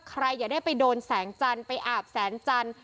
อย่าได้ไปโดนแสงจันทร์ไปอาบแสงจันทร์